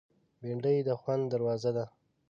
بېنډۍ د خوند دروازه ده